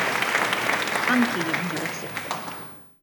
Anki jien ġieli ħsibt hekk.